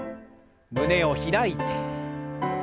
胸を開いて。